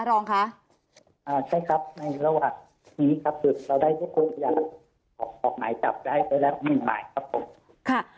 ใช่ครับในระหว่างนี้ครับคือเราได้ทุกคนอยากออกหมายจับได้แล้ว